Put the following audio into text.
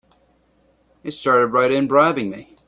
They started right in bribing me!